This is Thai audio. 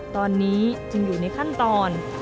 ตอนนี้จึงอยู่ในขั้นตอน